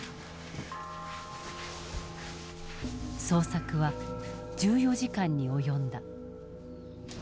捜索は１４時間に及んだ。